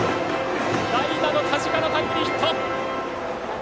代打の田近のタイムリーヒット。